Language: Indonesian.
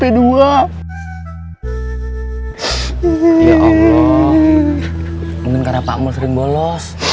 ya allah mungkin karena pak mul sering bolos